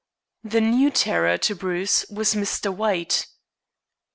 The new terror to Bruce was Mr. White.